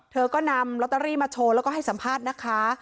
เธอก็นำลอตเตอรี่มาโชว์แล้วก็ให้สัมภาษณ์นะคะ